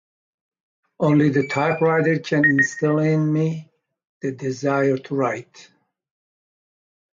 Only the typewriter can instil in me the desire to write.